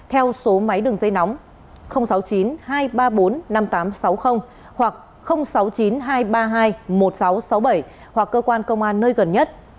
sáu mươi chín hai trăm ba mươi bốn năm nghìn tám trăm sáu mươi hoặc sáu mươi chín hai trăm ba mươi hai một nghìn sáu trăm sáu mươi bảy hoặc cơ quan công an nơi gần nhất